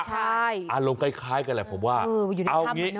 ใช่อารมณ์คล้ายกันแหละผมว่าเอางี้นะ